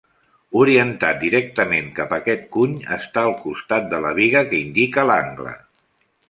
Orientat directament cap a aquest cuny està el costat de la biga que indica l'angle.